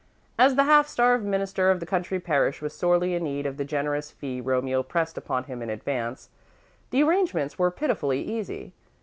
As the half starved minister of the country parish was sorely in need of the generous fee Romeo pressed upon him in advance, the arrangements were pitifully easy.